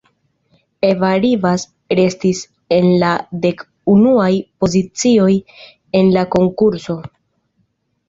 Eva Rivas restis en la dek unuaj pozicioj en la konkurso.